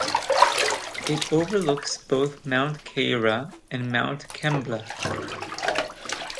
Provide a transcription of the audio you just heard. It overlooks both Mount Keira and Mount Kembla.